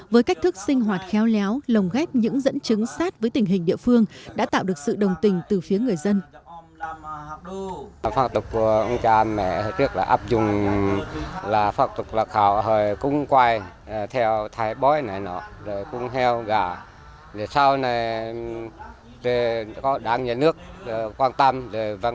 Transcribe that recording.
với cách thức sinh hoạt khéo léo lồng ghép những dẫn chứng sát với tình hình địa phương đã tạo được sự đồng tình từ phía người dân